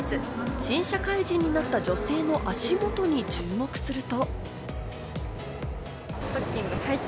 新社会人となった女性の足元に注目すると。